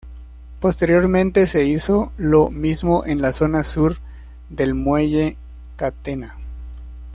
Posteriormente se hizo lo mismo en la zona sur del muelle Catena.